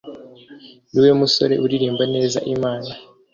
niwe musore uririmbira neza Imana